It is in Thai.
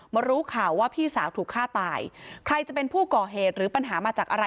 รู้ข่าวว่าพี่สาวถูกฆ่าตายใครจะเป็นผู้ก่อเหตุหรือปัญหามาจากอะไร